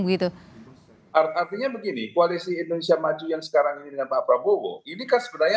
gitu artinya begini koalisi indonesia maju yang sekarang ini dengan pak prabowo ini kan sebenarnya